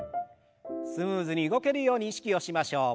スムーズに動けるように意識をしましょう。